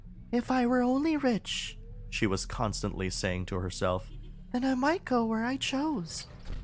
"If I were only rich," she was constantly saying to herself, "then I might go where I chose."